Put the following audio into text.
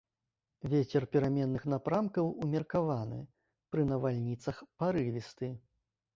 Вецер пераменных напрамкаў умеркаваны, пры навальніцах парывісты.